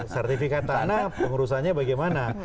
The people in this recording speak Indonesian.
sertifikat tanah pengurusannya bagaimana